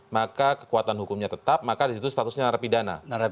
maka kekuatan hukumnya tetap maka disitu statusnya narapidana